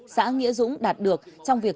xã nghĩa dũng đạt được trong việc